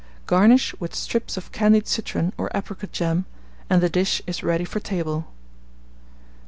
Garnish with strips of candied citron or apricot jam, and the dish is ready for table.